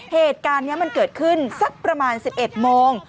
เหตุการณ์นี้มันเกิดขึ้นสักประมาณ๑๑โมง